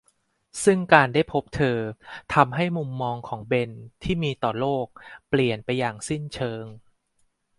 ซึ่งการได้พบเธอทำให้มุมมองของเบนที่มีต่อโลกเปลี่ยนไปอย่างสิ้นเชิง